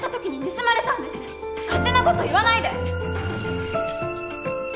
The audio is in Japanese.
勝手な事言わないで！